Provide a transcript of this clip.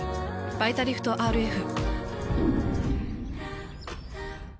「バイタリフトＲＦ」。